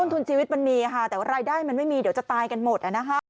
ทุนชีวิตมันมีค่ะแต่ว่ารายได้มันไม่มีเดี๋ยวจะตายกันหมด